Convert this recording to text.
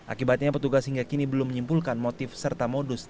akibatnya petugas hingga kini belum menyimpulkan motif serta modus